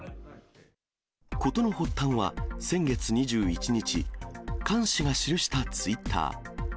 事の発端は先月２１日、菅氏が記したツイッター。